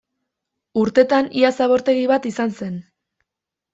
Urtetan ia zabortegi bat izan zen.